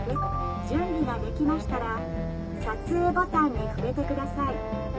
準備ができましたら撮影ボタンに触れてください。